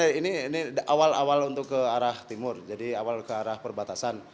oke ini awal awal untuk ke arah timur jadi awal ke arah perbatasan